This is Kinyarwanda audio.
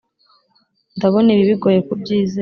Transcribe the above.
ndabona ibi bigoye kubyizera.